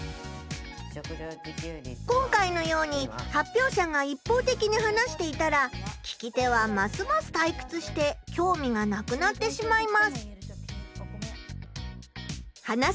今回のように発表者がいっぽうてきに話していたら聞き手はますますたいくつしてきょうみがなくなってしまいます。